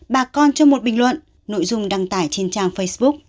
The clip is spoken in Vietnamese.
bà con trong một bình luận nội dung đăng tải trên trang facebook